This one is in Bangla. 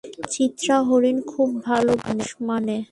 চিত্রা হরিণ খুব ভাল পোষ মানে।